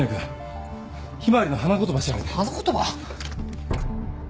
花言葉？